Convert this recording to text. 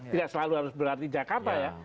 tidak selalu harus berarti jakarta ya